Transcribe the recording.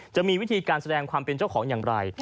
จะมีวิธีการแสดงความเป็นเจ้าของอย่างไร